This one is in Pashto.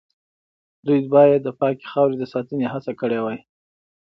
دوی باید د پاکې خاورې د ساتنې هڅه کړې وای.